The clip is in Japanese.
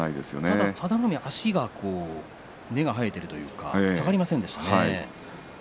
ただ佐田の海は足が根が生えているというか下がりませんでしたね。